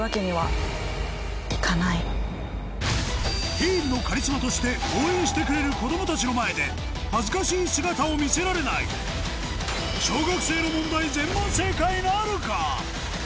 ティーンのカリスマとして応援してくれる子供たちの前で恥ずかしい姿を見せられない小学生の問題